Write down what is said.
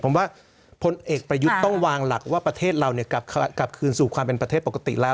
ผมว่าพลเอกประยุทธ์ต้องวางหลักว่าประเทศเรากลับคืนสู่ความเป็นประเทศปกติแล้ว